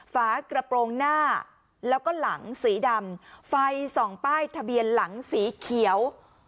ฝากระโปรงหน้าแล้วก็หลังสีดำไฟส่องป้ายทะเบียนหลังสีเขียว